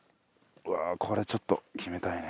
これちょっと決めたいね。